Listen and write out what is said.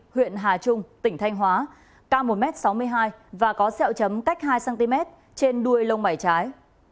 huyện hà trung tỉnh thanh hóa cao một m sáu mươi hai và có sẹo chấm cách hai cm trên đuôi lông mảy trái